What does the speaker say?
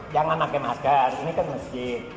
jangan pakai masker ini kan masjid